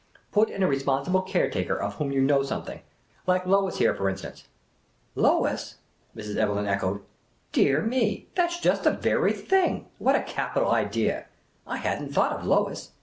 Put in a responsible caretaker of whom j'ou know something — like Lois here, for instance." " Lois !" Mrs. Evelegh echoed. " Dear me, that 's just the very thing. What a capital idea ! I never thought of Lois